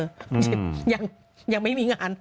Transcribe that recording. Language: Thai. ยังยังไม่มีงาน